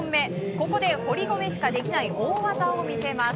ここで堀米しかできない大技を見せます。